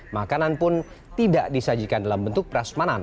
makanan pun tidak disajikan dalam bentuk prasmanan